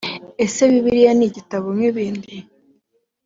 ese bibiliya ni igitabo nk’ibindi‽